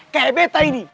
kayak beta ini